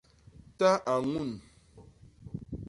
Ta a ñun.